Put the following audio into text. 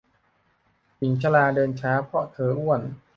หญิงชราเดินช้าเพราะเธออ้วน